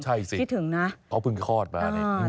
อ้อใช่สิเขาเพิ่งคลอดป่ะครับนี่